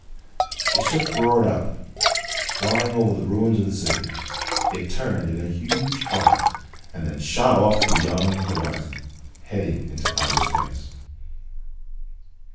The ship roared up, flying over the ruins of the city. It turned in a huge arc and then shot off beyond the horizon, heading into outer space.